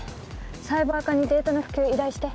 「サイバー課にデータの復旧依頼して」